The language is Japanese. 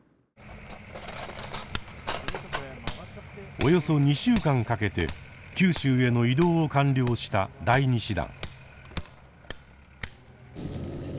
およそ２週間かけて九州への移動を完了した第２師団。